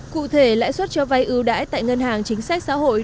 cụ thể lãi suất cho vay ưu đãi tại ngân hàng chính sách xã hội